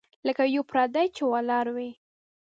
لکه یو پردی چي ولاړ وي .